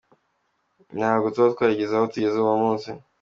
ntabwo tuba twarageze aho tugeze uno munsi.